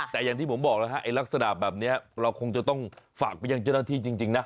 แต่อย่างที่ผมบอกแล้วฮะไอ้ลักษณะแบบนี้เราคงจะต้องฝากไปยังเจ้าหน้าที่จริงนะ